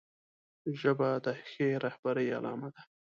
ژبه د ښې رهبرۍ علامه ده